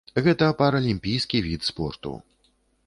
Гэта паралімпійскі від спорту.